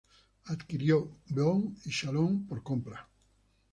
Adquirió Beaune y Chalon por compra.